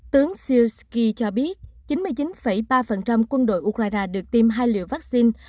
tướng sirsky cho biết chín mươi chín ba quân đội ukraine được tiêm hai liều vaccine